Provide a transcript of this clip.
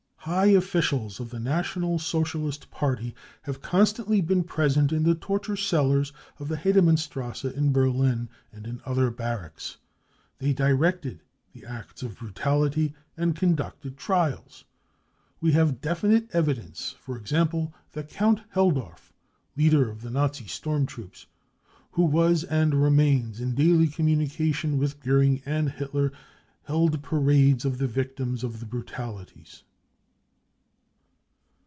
High officials of the National Socialist Party have constantly been present in the torture cellars of the Hede mannstrasse in Berlin and in other barracks. They directed the acts of brutality, and conducted trials. We have definite evidence, for example, that Count Helldorf, leader of the Nazi storm troops, who was and remains in daily com munication with Goering and Hitler, held parades of the victims of the brutalities.